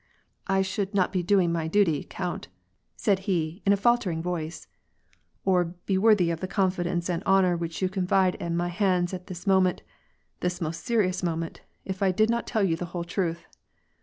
" I should not be doing my duty, count," said he, in a fal tering voice, "or be worthy of the confidence and honor which you confide in my hands, at this moment, this most serious moment, if I did not tell you the whole truth.